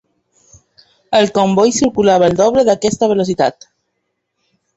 El comboi circulava al doble d’aquesta velocitat.